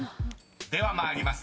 ［では参ります。